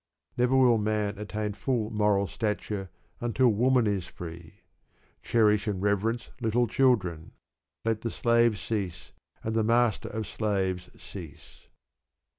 Never will man attain full moral stature until woman is free. Cherish and reverence little children. Let the slave cease, and the master of slaves cease.